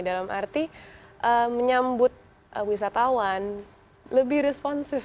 dalam arti menyambut wisatawan lebih responsif